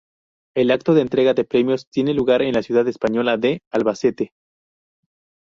El acto de entrega de premios tiene lugar en la ciudad española de Albacete.